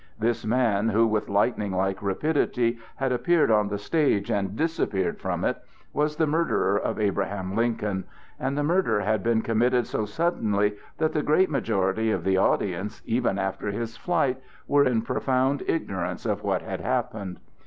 This man, who with lightning like rapidity had appeared on the stage and disappeared from it, was the murderer of Abraham Lincoln; and the murder had been committed so suddenly that the great majority of the audience, even after his flight, were in profound ignorance of what had happened.